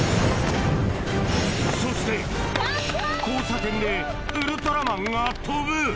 そして交差点でウルトラマンが跳ぶ！